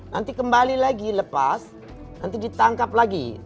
nanti kembali lagi lepas nanti ditangkap lagi